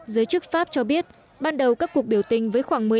giới chức pháp cho biết ban đầu các cuộc biểu tình với khoảng một mươi